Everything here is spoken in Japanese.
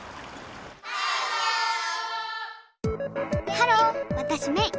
ハローわたしメイ！